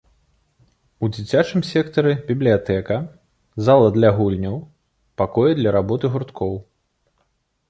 У дзіцячым сектары бібліятэка, зала для гульняў, пакоі для работы гурткоў.